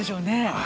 はい。